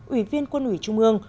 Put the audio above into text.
ủy viên quân ủy trung mương